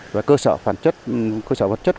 và cơ sở phản chất cơ sở vật chất